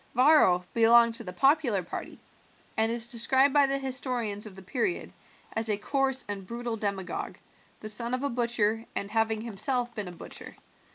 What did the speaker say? Varro belonged to the popular party, and is described by the historians of the period as a coarse and brutal demagogue, the son of a butcher, and having himself been a butcher.